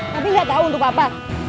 tapi gak tau untuk apa